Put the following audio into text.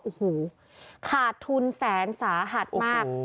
โอ้โหขาดทุนแสนสาหัสมาก